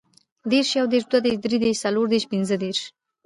دېرش, یودېرش, دودېرش, دریدېرش, څلوردېرش, پنځهدېرش